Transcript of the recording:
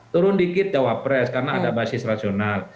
turun dikit cawapres karena ada basis rasional